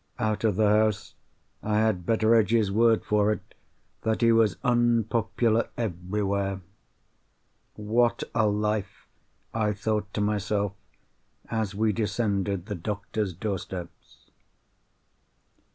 Out of the house, I had Betteredge's word for it that he was unpopular everywhere. "What a life!" I thought to myself, as we descended the doctor's doorsteps.